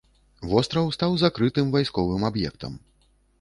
Востраў стаў закрытым вайсковым аб'ектам.